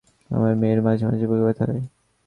আমার মেয়ের মাঝে মাঝে বুকে ব্যথা হয়।